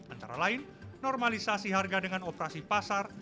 antara lain normalisasi harga dengan operasi pasar